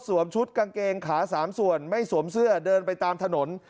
ชุดกางเกงขาสามส่วนไม่สวมเสื้อเดินไปตามถนน